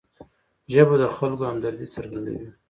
ژبه د خلکو همدردي څرګندوي